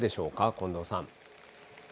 近藤さん。